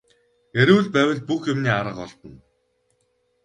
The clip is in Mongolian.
Эрүүл байвал бүх юмны арга олдоно.